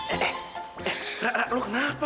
eh eh rah rah lo kenapa